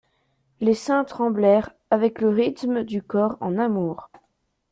Les seins tremblèrent avec le rythme du corps en amour.